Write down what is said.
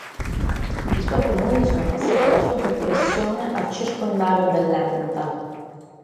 I suoi comuni sono passati alla sua soppressione al Circondario dell'Emmental.